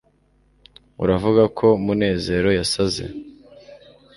uravuga ko munezero yasaze